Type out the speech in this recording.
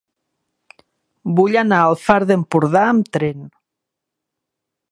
Vull anar al Far d'Empordà amb tren.